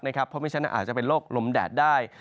เพราะไม่ฉะนั้นอาจจะเป็นโรคลมแดดได้